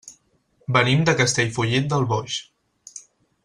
Venim de Castellfollit del Boix.